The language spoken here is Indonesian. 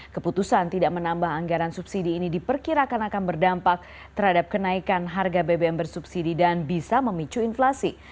keputusan tidak menambah anggaran subsidi ini diperkirakan akan berdampak terhadap kenaikan harga bbm bersubsidi dan bisa memicu inflasi